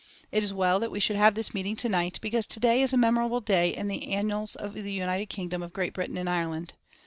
It is well that we should have this meeting to night, because to day is a memorable day in the annals of the United Kingdom of Great Britain and Ireland.